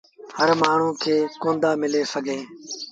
هر مآڻهوٚݩ کي ڪوندآ مليٚ سگھيٚن۔